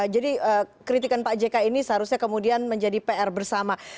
jadi kritikan pak jk ini seharusnya kemudian menjadi pr bersama